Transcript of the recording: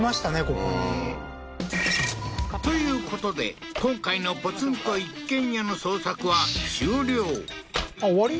ここにということで今回のポツンと一軒家のあっ終わり？